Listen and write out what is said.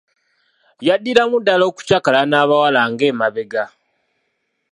Yaddiramu ddala okucakala n'abawala nga emabega.